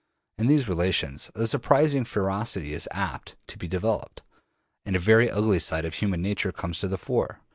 In these relations a surprising ferocity is apt to be developed, and a very ugly side of human nature comes to the fore.